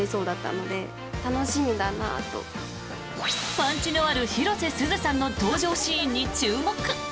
パンチのある広瀬すずさんの登場シーンに注目。